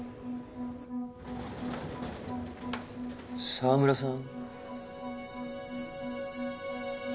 澤村さん？